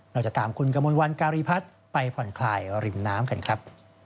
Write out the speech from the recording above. เราจะตามคุณกมลวันการีพัฒน์ไปผ่อนคลายริมน้ำกันครับ